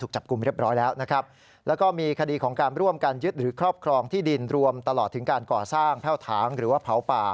ถูกจับกุมเรียบร้อยแล้วนะครับ